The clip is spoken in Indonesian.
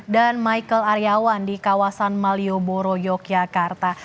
dan michael aryawan di kawasan malioboro yogyakarta